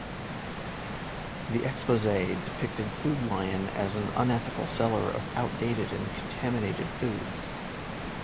The expose depicted Food Lion as an unethical seller of outdated and contaminated foods.